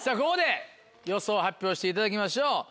ここで予想を発表していただきましょう。